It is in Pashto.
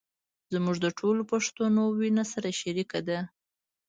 زموږ د ټولو پښتنو وينه سره شریکه ده.